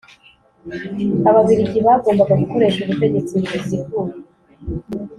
ababiligi bagombaga gukoresha ubutegetsi buziguye